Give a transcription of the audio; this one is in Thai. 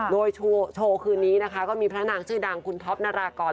โดยโชว์คืนนี้นะคะก็มีพระนางชื่อดังคุณท็อปนารากร